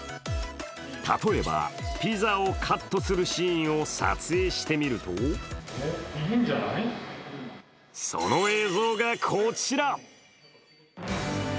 例えばピザをカットするシーンを撮影してみるとその映像がこちら。